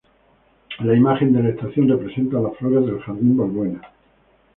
La imagen de la estación representa las flores del jardín Balbuena.